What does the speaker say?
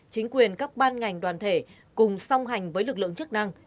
chính quyền các ban ngành đoàn thể cùng song hành với lực lượng chức năng